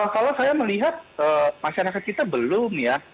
kalau saya melihat masyarakat kita belum ya